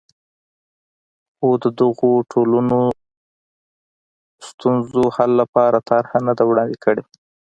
خو د دغو ټولنو ستونزو حل لپاره طرحه نه ده وړاندې کړې.